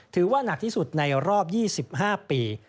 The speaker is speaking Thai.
ถือว่านักที่สุดในรอบ๒๕ปี